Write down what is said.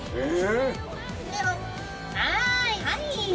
「はいはい」